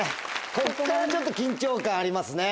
こっからちょっと緊張感ありますね。